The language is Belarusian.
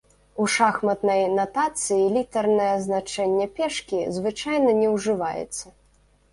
У шахматнай натацыі літарнае азначэнне пешкі звычайна не ўжываецца.